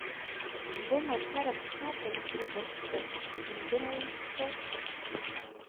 Бымацара бхы акәым ибыхьчо, ибымдыруеи исҳәо!